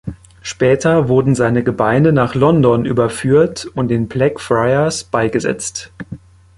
Später wurden seine Gebeine nach London überführt und in Blackfriars beigesetzt.